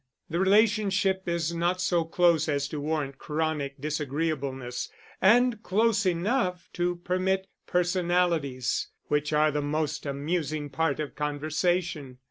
The relationship is not so close as to warrant chronic disagreeableness, and close enough to permit personalities, which are the most amusing part of conversation.